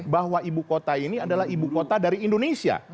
bahwa ibu kota ini adalah ibu kota dari indonesia